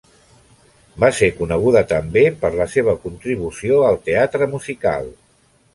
Va ser coneguda també per la seva contribució al teatre musical.